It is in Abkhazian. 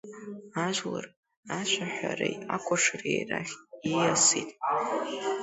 Ажәлар ашәаҳәареи акәашареи рахь ииасит.